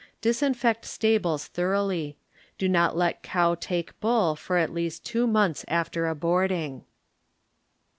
Disinfect stables thoroughly. Do not let cow take bull for at least two months after aborting.